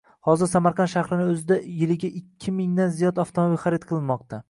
Hozir Samarqand shahrining oʻzida yiliga ikki mingdan ziyod avtomobil xarid qilinmoqda.